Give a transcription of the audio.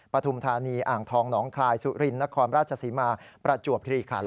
ปฐุมธานีอ่างทองหนองคายสุรินนครราชศรีมาประจวบคิริขัน